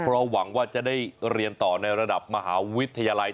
เพราะหวังว่าจะได้เรียนต่อในระดับมหาวิทยาลัย